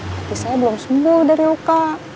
hati saya belum sembuh dari uk